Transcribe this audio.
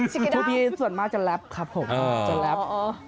ใช่ทูพีส่วนมากจะแร็ปครับผมจะแร็ป